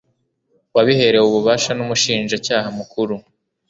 wabiherewe ububasha n'Umushinjacyaha Mukuru